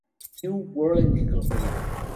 New World Encyclopedia.